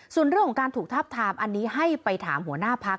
ส่วนเรื่องของการถูกทับทามอันนี้ให้ไปถามหัวหน้าพัก